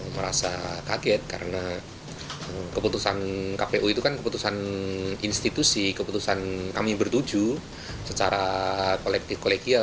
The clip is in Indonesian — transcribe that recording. merasa kaget karena keputusan kpu itu kan keputusan institusi keputusan kami bertuju secara kolektif kolegial